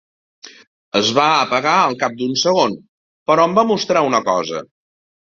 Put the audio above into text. Es va apagar al cap d'un segon, però em va mostrar una cosa.